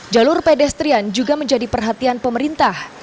jalur pedestrian juga menjadi perhatian pemerintah